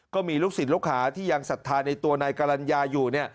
ก็มีลูกศิษย์ลูกหาที่ยังศรัทธาในตัวนายกรรณญาอยู่